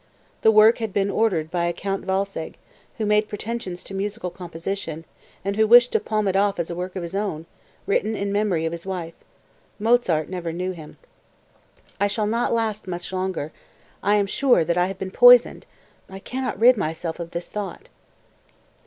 The work had been ordered by a Count Walsegg, who made pretensions to musical composition, and who wished to palm it off as a work of his own, written in memory of his wife. Mozart never knew him.) 227. "I shall not last much longer. I am sure that I have been poisoned! I can not rid myself of this thought."